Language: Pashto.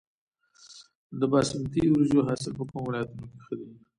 د باسمتي وریجو حاصل په کومو ولایتونو کې ښه دی؟